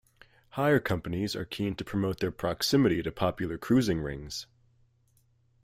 Hire companies are keen to promote their proximity to popular cruising rings.